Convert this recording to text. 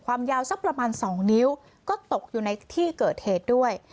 ความยาวสักประมาณ๒นิ้วก็ตกอยู่ในที่เกิดเหตุด้วย